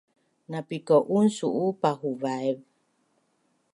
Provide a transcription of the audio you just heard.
Na pikau’un su’u pahuvaiv?